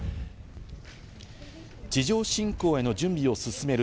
地上侵攻への準備を進める